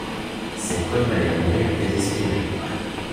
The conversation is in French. Cet homme allait mourir désespéré.